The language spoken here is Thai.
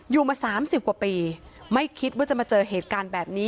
อยู่มา๓๐กว่าปีไม่คิดว่าจะมาเจอเหตุการณ์แบบนี้